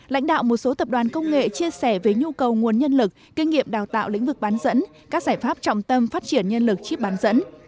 lãnh đạo một số tập đoàn công nghệ chia sẻ về nhu cầu nguồn nhân lực kinh nghiệm đào tạo lĩnh vực bán dẫn các giải pháp trọng tâm phát triển nhân lực chiếc bán dẫn